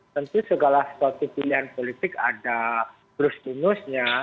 tentu segala suatu pilihan politik ada brus minusnya